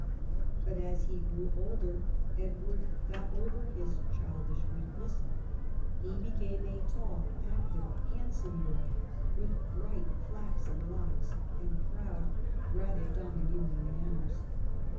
But as he grew older Edward got over his childish weakness. He became a tall, active, handsome boy, with bright flaxen locks, and proud, rather domineering manners.